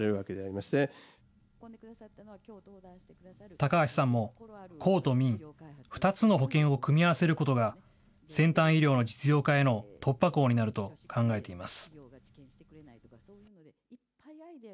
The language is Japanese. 高橋さんも、公と民、２つの保険を組み合わせることが、先端医療の実用化への突破口になると考えています。